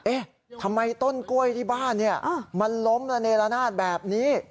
เอ๊ะทำไมต้นกล้วยที่บ้านเนี่ยมันล้มระเนละนาดแบบนี้